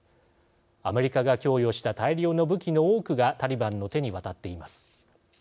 アメリカが供与した大量の武器の多くがタリバンの手に渡っています。